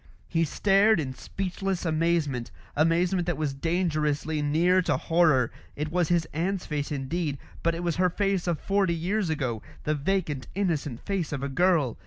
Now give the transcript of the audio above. He stared in speechless amazement amazement that was dangerously near to horror. It was his aunt's face indeed, but it was her face of forty years ago, the vacant innocent face of a girl.